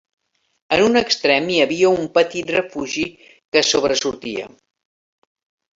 En un extrem hi havia un petit refugi que sobresortia